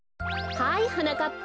はいはなかっぱ。